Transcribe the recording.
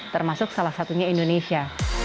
termasuk salah satunya indonesia